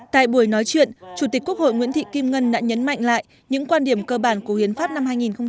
tại buổi nói chuyện chủ tịch quốc hội nguyễn thị kim ngân đã nhấn mạnh lại những quan điểm cơ bản của hiến pháp năm hai nghìn một mươi ba